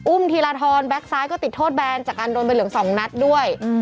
ธีรทรแบ็คซ้ายก็ติดโทษแบนจากการโดนใบเหลือง๒นัดด้วย